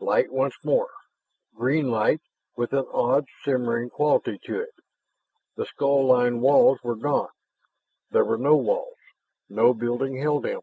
Light once more, green light with an odd shimmering quality to it. The skull lined walls were gone; there were no walls, no building held him.